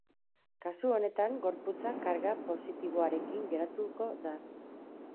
Kasu honetan gorputza karga positiboarekin geratuko da.